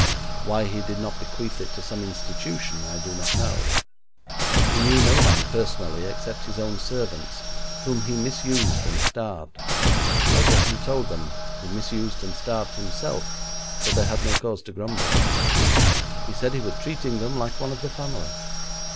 Why he did not bequeath it to some institution, I do not know. He knew no man personally except his own servants, whom he misused and starved, but, as he told them, he misused and starved himself, so they had no cause to grumble. He said he was treating them like one of the family.